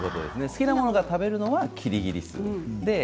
好きなものから食べるのはキリギリスです。